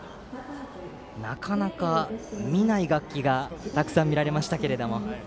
なかなか見ない楽器がたくさん見られました。